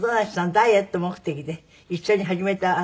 ダイエット目的で一緒に始めた。